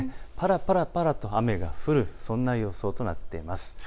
ぱらぱらと雨が降る、そんな予想となっています。